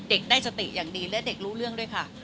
เด็กได้สติอย่างดีและเด็กรู้เรื่องด้วยค่ะ